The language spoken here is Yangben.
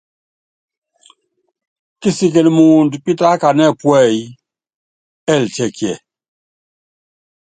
Kisikili muundɔ pitákanɛ́ puɛ́yí, ɛɛlɛ tiɛkiɛ?